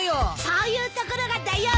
そういうところがだよ！